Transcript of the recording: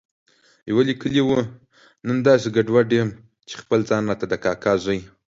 يوه ليکلي و، نن داسې ګډوډ یم چې خپل ځان راته د کاکا زوی